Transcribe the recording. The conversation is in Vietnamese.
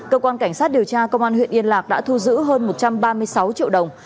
cơ quan cảnh sát điều tra công an huyện yên lạc đã thu giữ hơn một trăm ba mươi sáu triệu đồng